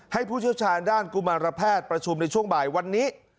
ผู้เชี่ยวชาญด้านกุมารแพทย์ประชุมในช่วงบ่ายวันนี้